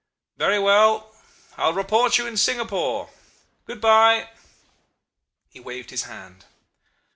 "'Very well! I'll report you in Singapore.... Good bye!' "He waved his hand.